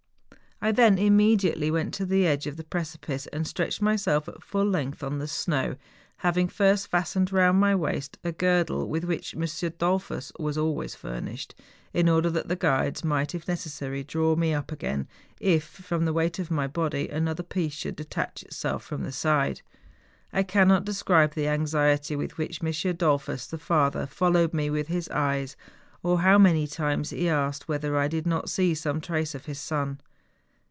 I then immediately went to the edge of the preci¬ pice and stretched myself at full length on the snow, having first fastened round my waist a girdle with which M. Dollfus was always furnished, in order that the guides might, if necessary, draw me up again, if, from the weight of my body, another piece should detach itself from the side. I cannot describe the anxiety with which M. Dollfus, the father, followed me with his eyes, or how many times he asked whether I did not see some trace of his son.